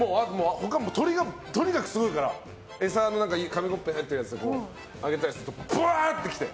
鳥がとにかくすごいから餌の、紙コップに入ってるやつをあげたりすると、ブワーッて。